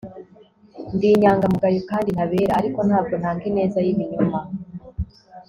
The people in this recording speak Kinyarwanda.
ndi inyangamugayo kandi ntabera, ariko ntabwo ntanga ineza y'ibinyoma